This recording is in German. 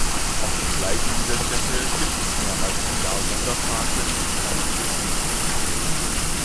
Auf den Gleisen dieser Strecke gibt es mehrmals im Jahr Sonderfahrten mit Dampfbetrieb.